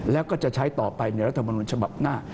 แล้วก็จะใช้ต่อไปในรัฐมนุนฉบับหน้า